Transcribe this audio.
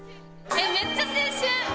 めっちゃ青春。